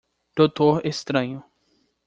Doutor Estranho.